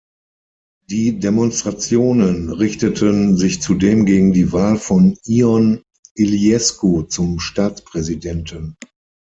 Die Demonstrationen richteten sich zudem gegen die Wahl von Ion Iliescu zum Staatspräsidenten.